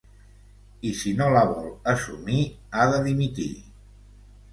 I si no la vol assumir, ha de dimitir.